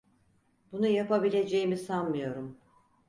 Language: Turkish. Bunu yapabileceğimi sanmıyorum.